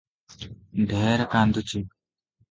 ଢେର କାନ୍ଦୁଛି ।